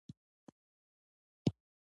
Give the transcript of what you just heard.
د یوې روښانه او ابادې نړۍ.